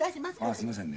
すいませんね